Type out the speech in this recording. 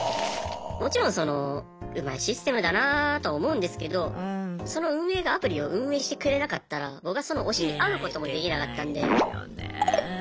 もちろんそのうまいシステムだなと思うんですけどその運営がアプリを運営してくれなかったら僕はその推しに会うこともできなかったんで。